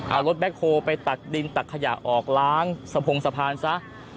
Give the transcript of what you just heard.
เอารถแบ็คโฮลไปตักดินตักขยะออกล้างสะพงสะพานซะ